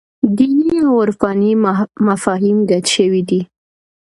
دیني او عرفاني مفاهیم ګډ شوي دي.